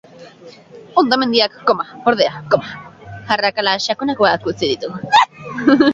Hondamendiak, ordea, arrakala sakonagoak utzi ditu.